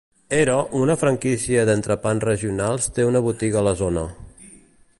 Hero, una franquícia d"entrepans regionals, té una botiga a la zona.